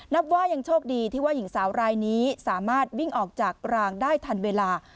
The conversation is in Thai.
นับว่ายังโชคดีที่ว่าหญิงสาวรายนี้สามารถวิ่งออกจากรางได้ทันเวลา